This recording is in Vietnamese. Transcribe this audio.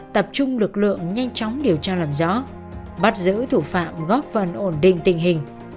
tập trung lực lượng nhanh chóng điều tra làm rõ bắt giữ thủ phạm góp phần ổn định tình hình